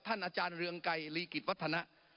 อาจารย์เรืองไกรลีกิจวัฒนะ